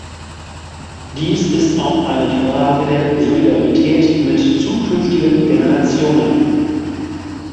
Dies ist auch eine Frage der Solidarität mit zukünftigen Generationen.